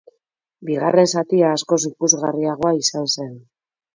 Bigarren zatia askoz ikusgarriagoa izan zen.